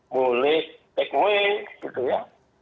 boleh take away gitu ya